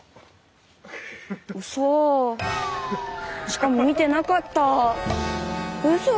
しかも見てなかったうそ。